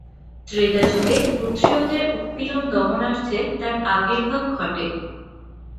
ত্রেতাযুগে ক্ষত্রিয়দের উৎপীড়ন দমনার্থে তাঁর আবির্ভাব ঘটে।